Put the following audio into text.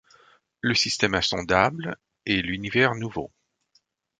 Le système insondable et l’univers nouveau